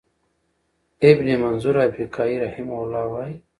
ابن منظور افریقایی رحمه الله وایی،